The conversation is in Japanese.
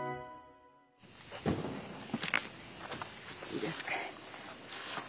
いいですか。